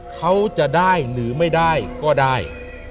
เขาจะได้หรือไม่ได้ก็ได้